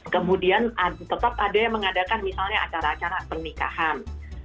kemudian tetap ada yang mengadakan misalnya acara acara pernikahan